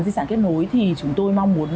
di sản kết nối thì chúng tôi mong muốn